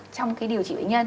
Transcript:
trong cái điều trị bệnh nhân